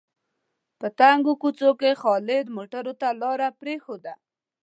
په تنګو کوڅو کې خالد موټرو ته لاره پرېښوده.